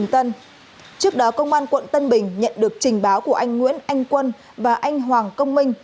trước đó công an quận tân bình nhận được trình báo của anh nguyễn anh quân và anh hoàng công minh